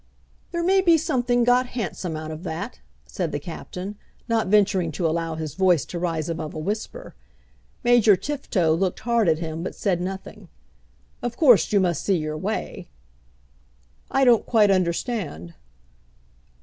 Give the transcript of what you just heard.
"There may be something got handsome out of that," said the Captain, not venturing to allow his voice to rise above a whisper. Major Tifto looked hard at him but said nothing. "Of course you must see your way." "I don't quite understand."